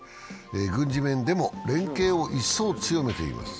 軍事面でも連携を一層強めています。